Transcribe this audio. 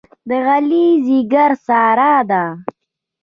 د علي ځېګر ساره ده.